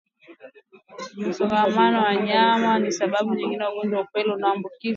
Msongamano wa wanyama ni sababu nyingine ya ugonjwa wa upele kuambukizwa